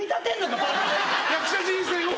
役者人生を。